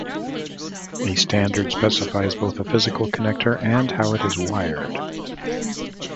A standard specifies both a physical connector and how it is wired.